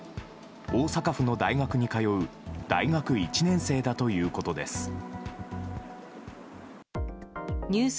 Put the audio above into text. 大阪府の大学に通う大学１年生だということです。